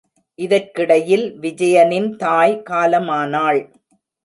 இதற்கிடையில் விஜயனின் தாய் காலமானாள்.